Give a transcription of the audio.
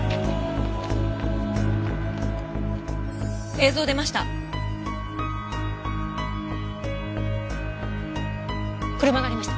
映像出ました！